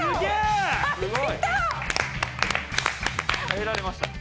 耐えられました。